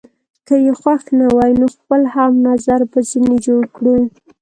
که يې خوښ نه وي، نو خپل هم نظره به ځینې جوړ کړو.